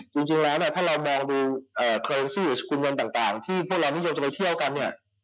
จริงแล้วถ้าเรามองดูเงินที่ทุกคนจะไปเที่ยวกันเนี่ย